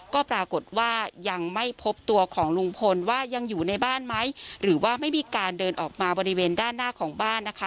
ก็ปรากฏว่ายังไม่พบตัวของลุงพลว่ายังอยู่ในบ้านไหมหรือว่าไม่มีการเดินออกมาบริเวณด้านหน้าของบ้านนะคะ